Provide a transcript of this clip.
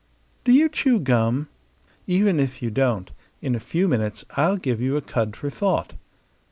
Do you chew gum? Even if you don't, in a few minutes I'll give you a cud for thought.